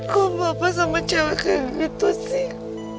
kok papa sama cewek kayak gitu sih